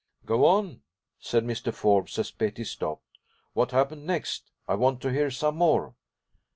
"Go on," said Mr. Forbes, as Betty stopped. "What happened next? I want to hear some more."